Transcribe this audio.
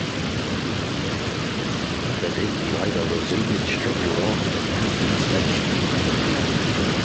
The Dinky later resumed its trip and arrived at Princeton station.